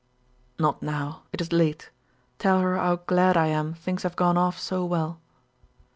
"Not now; it is late. Tell her how glad I am things have gone off so well."